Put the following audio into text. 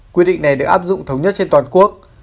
quy định này được áp dụng thống nhất trên toàn quốc